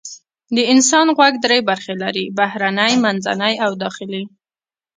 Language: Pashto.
د انسان غوږ درې برخې لري: بهرنی، منځنی او داخلي.